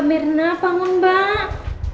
mbak mirna bangun mbak